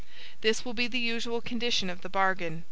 This will be the usual condition of the bargain.